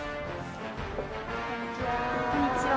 こんにちは。